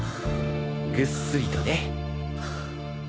ぐっすりとね。